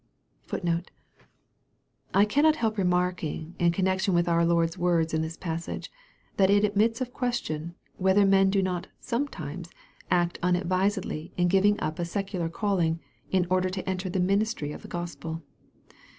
I cannot help remarking, in connection with our Lord's words in this passage, that it admits of question, whether men do not some times act unadvisedly in giving up a secular calling, in order to enter the ministry of the Gospel.